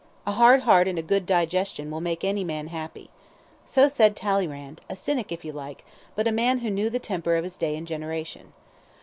"A hard heart and a good digestion will make any man happy." So said Talleyrand, a cynic if you like, but a man who knew the temper of his day and generation.